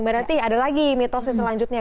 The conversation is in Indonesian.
mbak rati ada lagi mitosnya selanjutnya